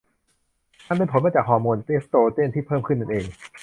อันเป็นผลมาจากฮอร์โมนเอสโตรเจนที่เพิ่มขึ้นนั่นเอง